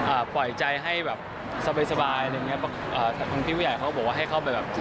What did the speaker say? ปล่อยใจให้แบบสบายสบายอะไรอย่างเงี้อ่าทางพี่ผู้ใหญ่เขาก็บอกว่าให้เข้าไปแบบ